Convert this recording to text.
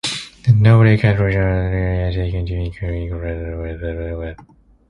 The Nordic countries are generally taken to include Iceland, Norway, Sweden, Denmark and Finland.